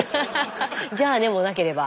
「じゃあね」もなければ。